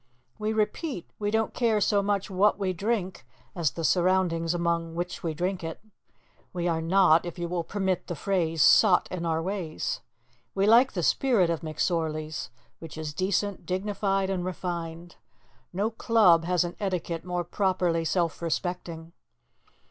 We repeat: we don't care so much what we drink as the surroundings among which we drink it. We are not, if you will permit the phrase, sot in our ways. We like the spirit of McSorley's, which is decent, dignified, and refined. No club has an etiquette more properly self respecting.